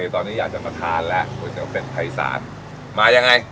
ตอนนี้อยากจะมาทานแล้วหุ้นเป็นไพสาทมายังไง